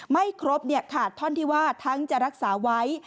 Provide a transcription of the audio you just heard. ไม่ครบขาดท่อนที่ว่าทั้งจะรักษาไว้